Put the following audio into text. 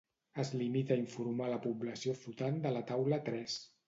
Es limita a informar la població flotant de la taula tres.